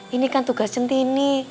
ini kan tugas centini